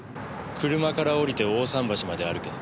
車から降りて大さん橋まで歩け。